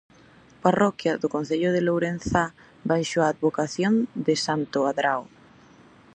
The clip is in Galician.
Parroquia do concello de Lourenzá baixo a advocación de santo Adrao.